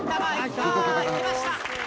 行きました！